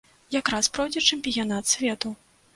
Якраз пройдзе чэмпіянат свету.